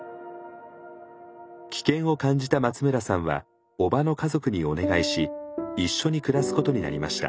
危険を感じた松村さんは叔母の家族にお願いし一緒に暮らすことになりました。